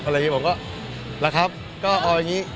อะไรอย่างนี้ผมก็ละครับก็เอาอย่างนี้